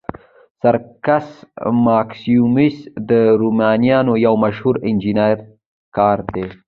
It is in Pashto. سرکس ماکسیموس د رومیانو یو مشهور انجنیري کار دی.